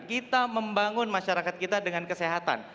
kita membangun masyarakat kita dengan kesehatan